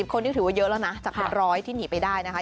๔๐คนที่ถือว่าเยอะแล้วนะจาก๑๐๐ที่หนีไปได้นะคะ